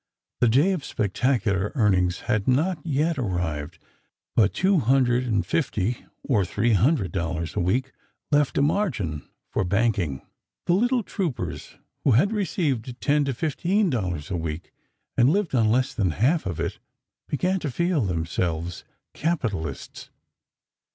The day of spectacular earnings had not yet arrived, but two hundred and fifty or three hundred dollars a week left a margin for banking. The little troupers who had received ten to fifteen dollars a week, and lived on less than half of it, began to feel themselves capitalists.